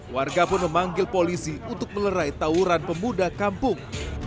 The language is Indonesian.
warga pun memanggil polisi untuk melerai tawuran pemuda kampung